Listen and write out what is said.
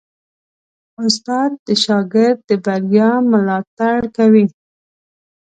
استاد د شاګرد د بریا ملاتړ کوي.